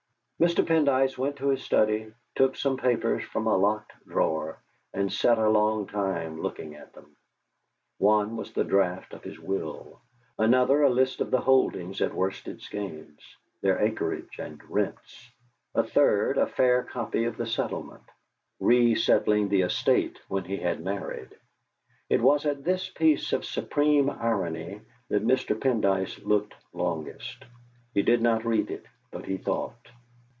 Mr. Pendyce went to his study, took some papers from a locked drawer, and sat a long time looking at them. One was the draft of his will, another a list of the holdings at Worsted Skeynes, their acreage and rents, a third a fair copy of the settlement, re settling the estate when he had married. It was at this piece of supreme irony that Mr. Pendyce looked longest. He did not read it, but he thought